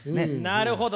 なるほど。